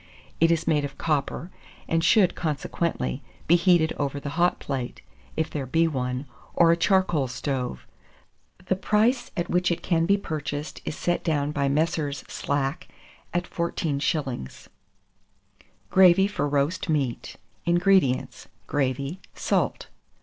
It is made of copper, and should, consequently, be heated over the hot plate, if there be one, or a charcoal stove. The price at which it can be purchased is set down by Messrs. Slack at 14s. GRAVY FOR ROAST MEAT. 433. INGREDIENTS. Gravy, salt.